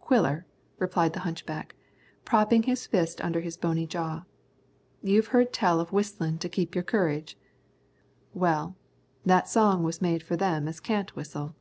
"Quiller," replied the hunchback, propping his fist under his bony jaw, "you've heard tell of whistlin' to keep up your courage. Well, that song was made for them as can't whistle."